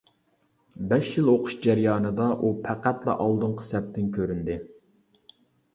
بەش يىل ئوقۇش جەريانىدا ئۇ پەقەتلا ئالدىنقى سەپتىن كۆرۈندى.